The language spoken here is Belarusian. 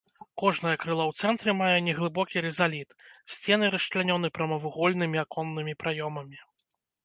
Кожнае крыло ў цэнтры мае неглыбокі рызаліт, сцены расчлянёны прамавугольнымі аконнымі праёмамі.